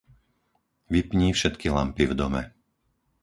Vypni všetky lampy v dome.